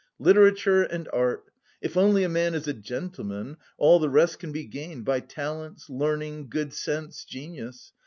Literature and art! If only a man is a gentleman, all the rest can be gained by talents, learning, good sense, genius.